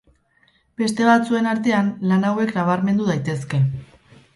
Beste batzuen artean lan hauek nabarmendu daitezke.